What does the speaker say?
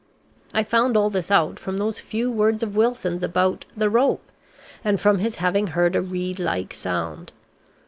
I found all this out from those few words of Wilson's about 'the rope,' and from his having heard a reed like sound.